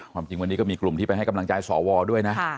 จริงวันนี้ก็มีกลุ่มที่ไปให้กำลังใจสวด้วยนะ